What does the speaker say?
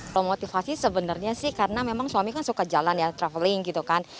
kalau motivasi sebenarnya sih karena memang suami kan suka jalan ya traveling gitu kan